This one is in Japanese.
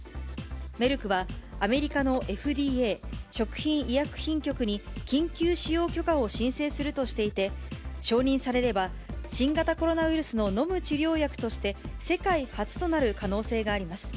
メルクはアメリカのＦＤＡ・食品医薬品局に緊急使用許可を申請するとしていて、承認されれば、新型コロナウイルスの飲む治療薬として世界初となる可能性があります。